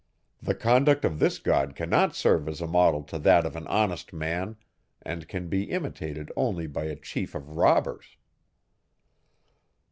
The conduct of this god cannot serve as a model to that of an honest man, and can be imitated only by a chief of robbers.